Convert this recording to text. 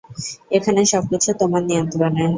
এখানে, সবকিছু তোমার নিয়ন্ত্রণে।